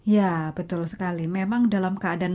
ya betul sekali memang dalam keadaan